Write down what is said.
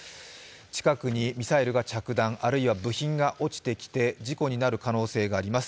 近くにミサイルが着弾、あるいは部品が落ちてきて事故になる可能性があります。